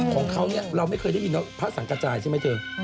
ของเขาเนี่ยเราไม่เคยได้ยินว่าพระสังกระจายใช่ไหมเธอ